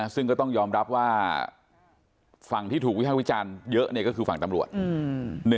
ซึ่งก็ต้องยอมรับว่าฝั่งที่ถูกวิภาควิจารณ์เยอะก็คือฝั่งตำรวจ